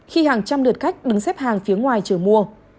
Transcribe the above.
khi hàng trăm lượt khách đứng xếp hàng phía ngoài trời mua